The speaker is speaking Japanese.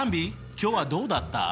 今日はどうだった？